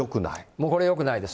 もう、これよくないです。